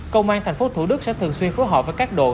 công an thành phố thủ đức sẽ thường xuyên phối hợp với các đội